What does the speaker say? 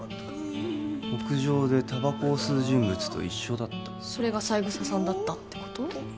屋上でタバコを吸う人物と一緒だったそれが三枝さんだったってこと？